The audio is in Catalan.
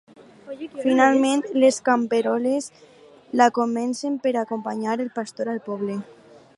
Finalment les camperoles la convencen per acompanyar el pastor al poble.